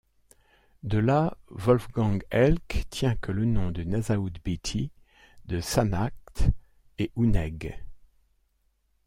De là, Wolfgang Helck tient que le nom de Nesout-bity de Sanakht est Ouneg.